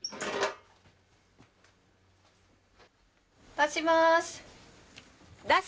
出します！